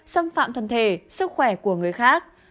xâm phạm thân thể sức khỏe của người khác